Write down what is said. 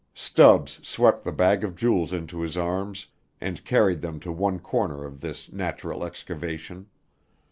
Stubbs swept the bags of jewels into his arms and carried them to one corner of this natural excavation.